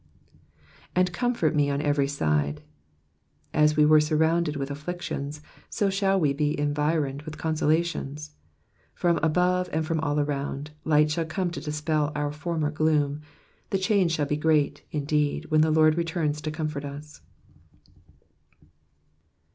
And comfort me on evei y side.'*'* As we were sui rounded with afflictions, so shall we be environed with consolations. Fiom above, and from all around, light shall come to dispel our former gloom ; the change shall be great, indeed, when the Lord returns to comfort us.